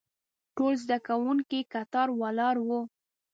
ټول زده کوونکي کتار ولاړ وو.